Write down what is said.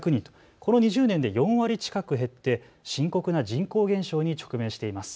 この２０年で４割近く減って深刻な人口減少に直面しています。